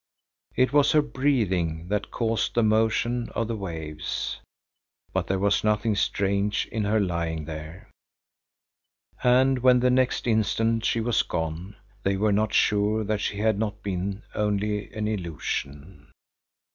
It was her breathing that caused the motion of the waves. But there was nothing strange in her lying there, and when the next instant she was gone, they were not sure that she had not been only an illusion.